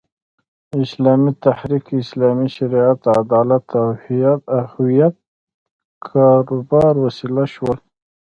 اسلامي تحریک، اسلامي شریعت، عدالت او هویت د کاروبار وسیله شول.